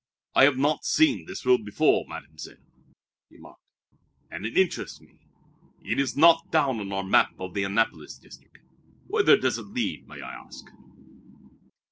"I have not seen this road before, Mademoiselle," he marked, "and it interests me. It is not down on our map of the Annapolis district. Whither does it lead, may I ask?"